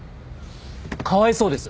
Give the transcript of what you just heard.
かわいそうです。